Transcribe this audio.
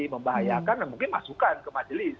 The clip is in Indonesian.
membahayakan mungkin masukkan ke majelis